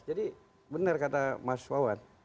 jadi benar kata mas wawan